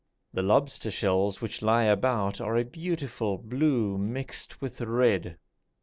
The lobster shells which lie about are a beautiful blue mixed with red.